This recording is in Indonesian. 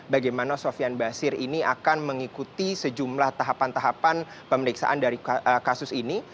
bagaimana sofian basir ini akan mengikuti sejumlah tahapan tahapan pemeriksaan dari kasus ini